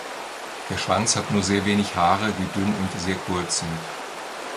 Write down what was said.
Der Schwanz hat nur sehr wenig Haare, die dünn und sehr kurz sind.